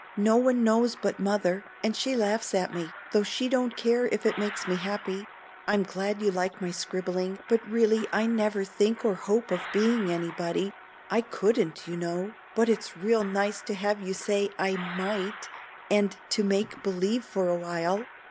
No one knows but Mother, and she laughs at me, though she don't care if it makes me happy. I'm glad you like my scribbling, but really I never think or hope of being anybody. I couldn't, you know! but it's real nice to have you say I MIGHT and to make believe for a while."